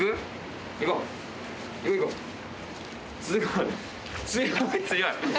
すごい。